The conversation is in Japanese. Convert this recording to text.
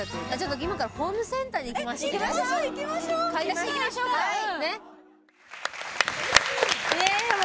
今からホームセンターに行きましょう。